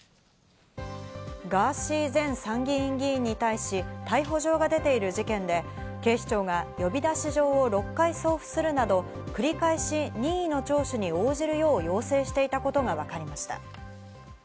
ガーシー前参議院議員に対し、逮捕状が出ている事件で、警視庁が呼び出し状を６回送付するなど、繰り返し、任意の聴取に応じるよう要請していたことがわかりました。